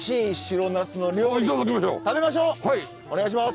お願いします。